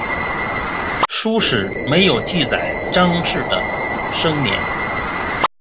史书没有记载张氏的生年。